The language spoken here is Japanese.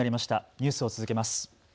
ニュースを続けます。